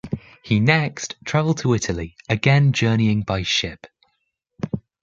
He next travelled to Italy, again journeying by ship.